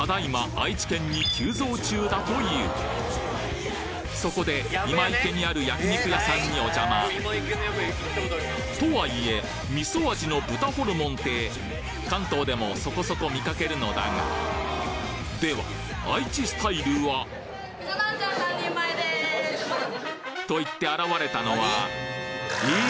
愛知県に急増中だというそこで今池にある焼き肉屋さんにお邪魔とはいえ味噌味の豚ホルモンって関東でもそこそこ見かけるのだがでは愛知スタイルはと言って現れたのはえ！！